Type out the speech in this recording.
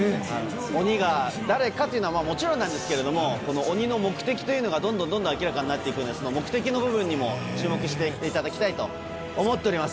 鬼が誰かというのは、もちろんなんですけれども、この鬼の目的というのがどんどんどんどん明らかになっていくので、目的の部分にも注目していっていただきたいと思っております。